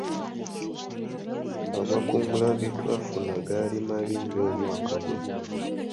Amakungula ge twafuna gaali mabi nnyo omwaka guno.